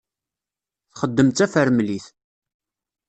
Txeddem d tafremlit.